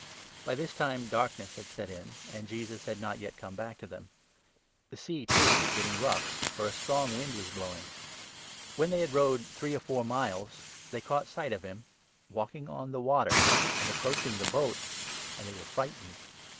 By this time darkness had set in, and Jesus had not yet come back to them ; the Sea, li too, was getting rough, for a strong wind was blowing. When they had rowed three or four miles, they caught sight of him walking on the water and approaching the boat, and they were frightened.